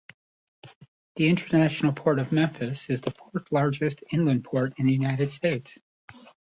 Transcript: The International Port of Memphis is the fourth-largest inland port in the United States.